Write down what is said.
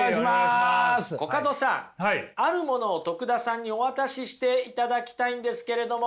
コカドさんあるものを徳田さんにお渡ししていただきたいんですけれども。